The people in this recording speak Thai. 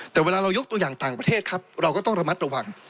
แต่เวลาเรายกตัวอย่างต่างประเทศครับเราก็ต้องระมัดระวัง